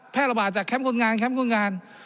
แพร่ระบาดจากแคมป์คนงาน